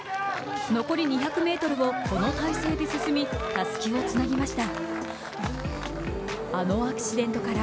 残り２００ｍをこの体勢で進みたすきをつなぎました。